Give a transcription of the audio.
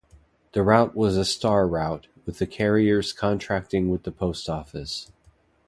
The route was a Star route, with the carriers contracting with the Post Office.